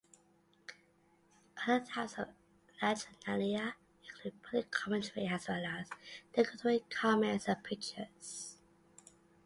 Other types of latrinalia include political commentary as well as derogatory comments and pictures.